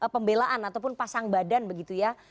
pembelaan ataupun pasang badan begitu ya